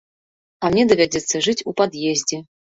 А мне давядзецца жыць у пад'ездзе.